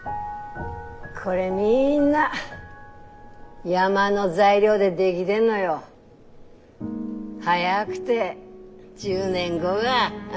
これみんな山の材料で出来でんのよ。早くて１０年後があ。